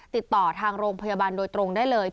ติดต่อทางโรงพยาบาลโดยตรงได้เลย